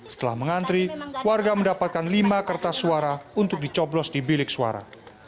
setelah mengantri warga mendapatkan lima kertas suara untuk dicoblos di bilik suara